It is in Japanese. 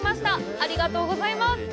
ありがとうございます！